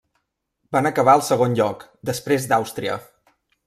Van acabar al segon lloc, després d'Àustria.